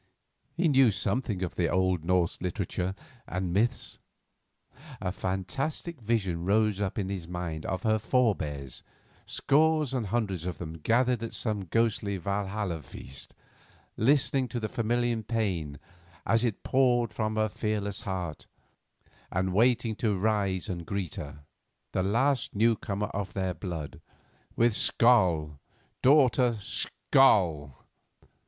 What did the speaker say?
He knew something of the old Norse literature and myths. A fantastic vision rose up in his mind of her forebears, scores and hundreds of them gathered at some ghostly Walhalla feast, listening to the familiar paean as it poured from her fearless heart, and waiting to rise and greet her, the last newcomer of their blood, with "Skoll, daughter, skoll!"